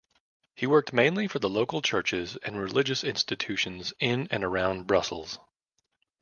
He worked mainly for the local churches and religious institutions in and around Brussels.